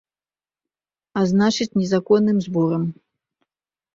А значыць, незаконным зборам.